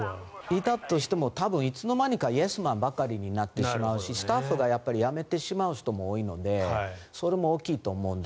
いたとしても多分いつの間にかイエスマンばかりになってしまうしスタッフが辞めてしまう人も多いのでそれも大きいと思うんです。